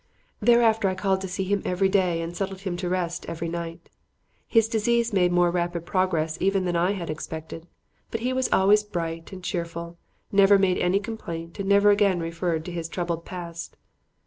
Thereafter I called to see him every day and settled him to rest every night. His disease made more rapid progress even than I had expected; but he was always bright and cheerful, never made any complaint and never again referred to his troubled past.